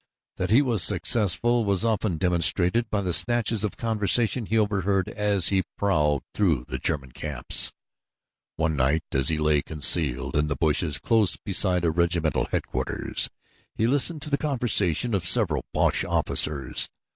That he was successful was often demonstrated by the snatches of conversation he overheard as he prowled through the German camps. One night as he lay concealed in the bushes close beside a regimental headquarters he listened to the conversation of several Boche officers.